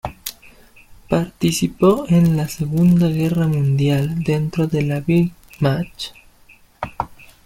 Participó en la Segunda Guerra Mundial dentro de la Wehrmacht.